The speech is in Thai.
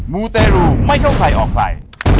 มูเตรลูไม่ต้องใครออกไป